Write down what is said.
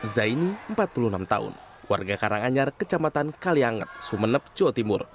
zaini empat puluh enam tahun warga karanganyar kecamatan kalianget sumeneb jawa timur